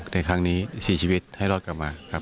ในครั้งนี้สิ้นชีวิตให้รอดกลับมา